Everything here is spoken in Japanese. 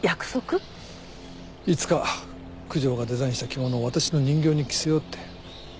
いつか九条がデザインした着物を私の人形に着せようって。